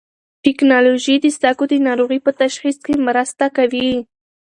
ټېکنالوژي د سږو د ناروغۍ په تشخیص کې مرسته کوي.